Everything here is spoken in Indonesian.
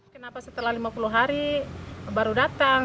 kenapa setelah lima puluh hari baru datang